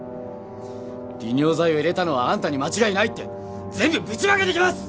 利尿剤を入れたのはあんたに間違いないって全部ぶちまけてきます！